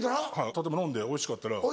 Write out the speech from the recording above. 例えば飲んでおいしかったら。